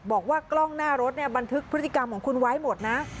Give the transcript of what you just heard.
บอกว่ากล้องหน้ารถเนี่ยบันทึกพฤติกรรมของคุณไว้หมดนะ